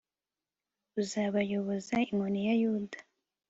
buzabayoboze inkoni ya yuda